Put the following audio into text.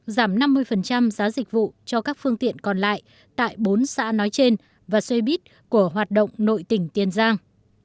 giảm năm mươi giá dịch vụ cho các phương tiện còn lại tại bốn xã nói trên và xoay bít của hoạt động nội tỉnh tiền giang